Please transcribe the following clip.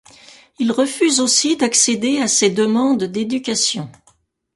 Il refuse aussi d'accéder à ses demandes d'éducation.